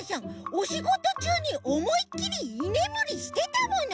おしごとちゅうにおもいっきりいねむりしてたもの。